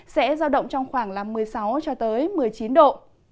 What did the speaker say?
sẽ giao động trong khoảng một mươi sáu một mươi chín độ